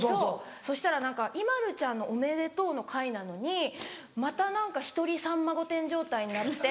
そしたら何かＩＭＡＬＵちゃんのおめでとうの会なのにまた何か一人『さんま御殿‼』状態になって。